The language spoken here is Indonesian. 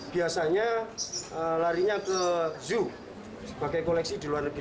biasanya larinya ke zoo sebagai koleksi di luar negeri